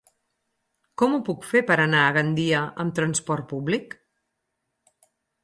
Com ho puc fer per anar a Gandia amb transport públic?